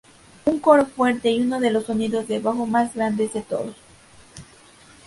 Un coro fuerte y uno de los sonidos debajo más grandes de todos.